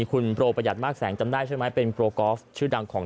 คุณโปรประหยัดมากแสงจำได้ใช่ไหมเป็นโปรกอล์ฟชื่อดังของ